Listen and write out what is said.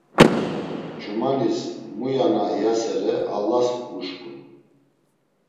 Ç̌umanis muya na iyasere Allas uşǩun.